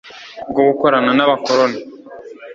bwo gukorana n'abakoloni